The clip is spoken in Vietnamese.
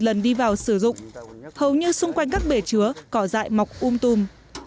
lần đi vào sử dụng hầu như xung quanh các bể chứa cỏ dại mọc um tùm